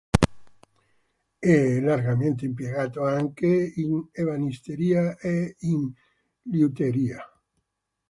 È largamente impiegato anche in ebanisteria e in liuteria.